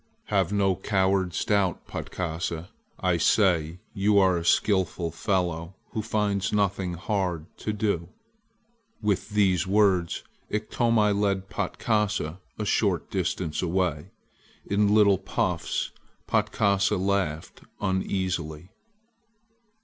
"Have no coward's doubt, Patkasa. I say you are a skillful fellow who finds nothing hard to do." With these words Iktomi led Patkasa a short distance away. In little puffs Patkasa laughed uneasily.